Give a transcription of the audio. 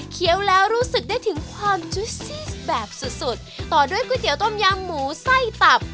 แล้วรู้สึกได้ถึงความจูซี่แบบสุดสุดต่อด้วยก๋วยเตี๋ต้มยำหมูไส้ตับ